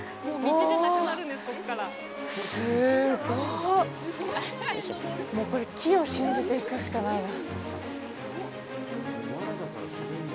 すごっこれ、木を信じて行くしかないな。